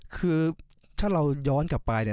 คือถ้าเราย้อนกลับไปเนี่ย